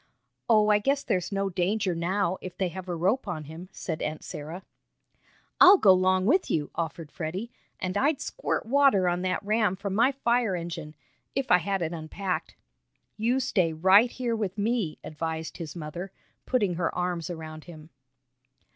"Oh, I guess there's no danger now, if they have a rope on him," said Aunt Sarah. "I'll go 'long with you," offered Freddie, "and I'd squirt water on that ram from my fire engine if I had it unpacked." "You stay right here with me," advised his mother, putting her arms around him.